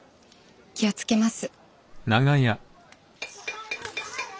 気を付けます。